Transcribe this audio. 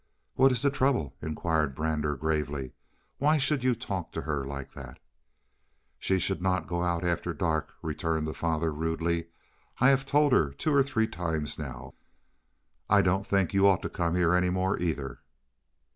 "What is the trouble?" inquired Brander gravely. "Why should you talk to her like that?" "She should not go out after dark," returned the father rudely. "I have told her two or three times now. I don't think you ought to come here any more, either."